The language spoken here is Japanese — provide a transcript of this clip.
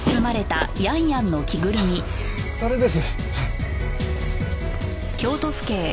それです。